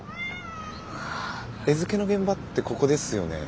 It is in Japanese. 餌付けの現場ってここですよね？